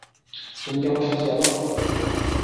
তুমি কি আমার সাথে যাবা?